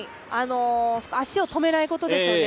足を止めないことですよね。